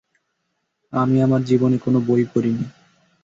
আমি আমার জীবনে কোন বই পড়িনি।